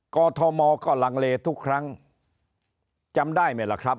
อทมก็ลังเลทุกครั้งจำได้ไหมล่ะครับ